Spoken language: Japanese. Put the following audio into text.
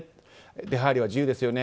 出入りは自由ですよね。